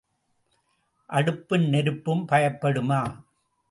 அடுப்பும் நெருப்பும் பயப்படுமா?